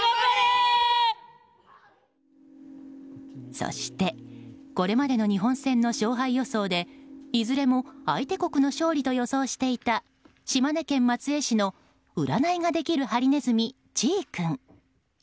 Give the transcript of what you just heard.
そして、これまでの日本戦の勝敗予想でいずれも相手国の勝利と予想していた島根県松江市の占いができるハリネズミ、ちぃくん。